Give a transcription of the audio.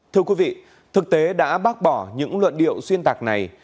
thưa quý vị thực tế đã bác bỏ những luận điệu xuyên tạc này